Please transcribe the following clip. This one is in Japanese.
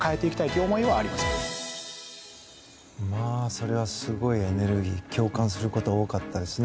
それはすごいエネルギー共感すること多かったですね。